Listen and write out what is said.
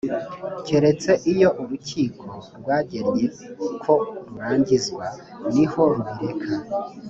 keretse iyo urukiko rwagennye ko rurangizwa niho ruubireka.